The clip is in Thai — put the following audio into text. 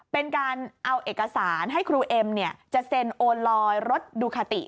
เป็นการเอาเอกสารให้ครูเอ็มจะเซ็นโอนลอยรถดูคาติ